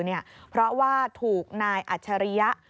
ให้ข้อมูลสื่อเนี่ยเพราะว่าถูกนายอัจฉริยะ